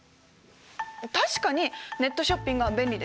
確かにネットショッピングは便利です。